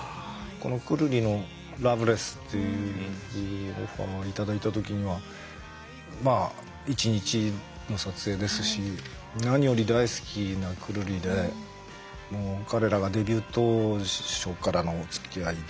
このくるりの「ｌｏｖｅｌｅｓｓ」っていうオファーを頂いた時にはまあ一日の撮影ですし何より大好きなくるりでもう彼らがデビュー当初からのおつきあいで。